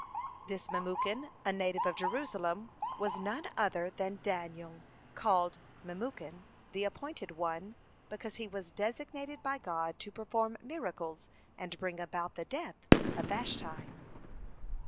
(40) This Memucan, a native of Jerusalem, was none other than Daniel, called Memucan, "the appointed one," because he was designated by God to perform miracles and bring about the death of Vashti.